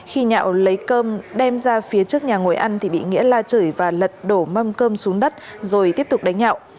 khi nhạo lấy cơm đem ra phía trước nhà ngồi ăn thì bị nghĩa la chửi và lật đổ mâm cơm xuống đất rồi tiếp tục đánh nhạo